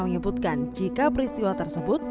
menyebutkan jika peristiwa tersebut